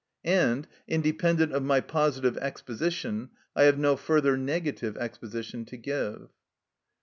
And, independent of my positive exposition, I have no further negative exposition to give.